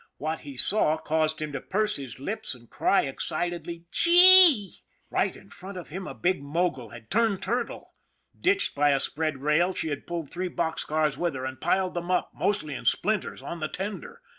What he saw caused him to purse his lips and cry excitedly, " Gee !" Right in front of him a big mogul had turned tur tle. Ditched by a spread rail, she had pulled three box cars with her, and piled them up, mostly in splinters, on the tender.